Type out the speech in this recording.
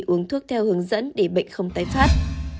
uống thuốc theo hướng dẫn để bệnh không tái phát